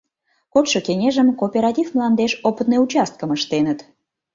Кодшо кеҥежым кооператив мландеш опытный участкым ыштеныт.